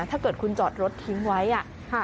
ถ้าเกิดคุณจอดรถทิ้งไว้อ่ะ